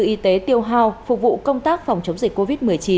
y tế tiêu hào phục vụ công tác phòng chống dịch covid một mươi chín